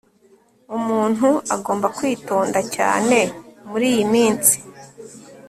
Umuntu agomba kwitonda cyane muriyi minsi